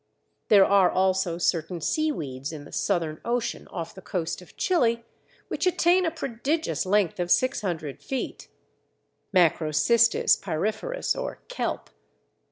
There are also certain Seaweeds in the Southern Ocean, off the coast of Chile, which attain a prodigious length of 600 feet (Macrocystis pyriferus, or "Kelp").